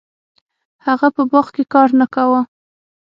هغه په باغ کې کار نه کاوه.